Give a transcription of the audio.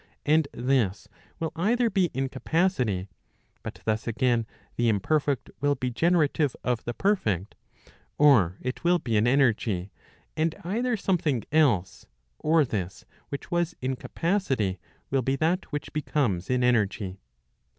And this will either be in capacity; but thus again the imperfect will be generative of the perfect; or it will be in energy, and either something else, or this which was in capacity will be that which becomes in energy.